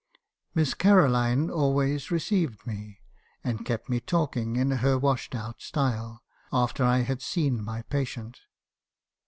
Miss Caroline always received me, and kept me talking in her washed out style , after I had seen my patient.